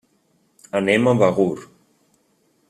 Anem a Begur.